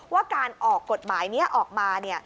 ว่าการออกกฎหมายนี้ออกมา